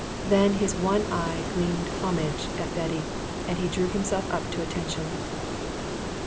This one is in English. Then his one eye gleamed homage at Betty and he drew himself up to attention.